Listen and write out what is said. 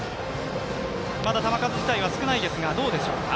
球数自体は少ないですがどうでしょうか。